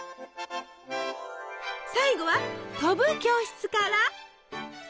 最後は「飛ぶ教室」から！